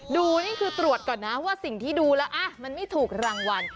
ดูนี่คือตรวจก่อนนะว่าสิ่งที่ดูแล้วมันไม่ถูกรางวัล